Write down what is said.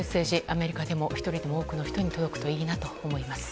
アメリカでも多くの人々に届くといいなと思います。